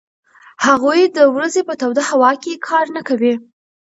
هغوی د ورځې په توده هوا کې کار نه کوي.